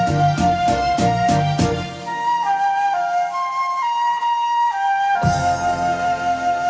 ที่จะสู้เล่นโดยไม่ใช่พร้อม